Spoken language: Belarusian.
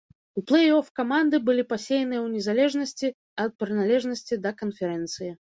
У плэй-оф каманды былі пасеяныя ў незалежнасці ад прыналежнасці да канферэнцыі.